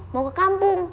mau ke kampung